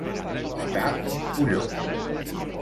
Costar un colló.